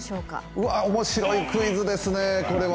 うわっ、面白いクイズですね、これは。